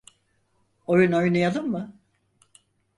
Oyun oynayalım mı?